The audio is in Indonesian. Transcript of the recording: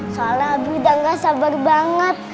soalnya abu udah gak sabar banget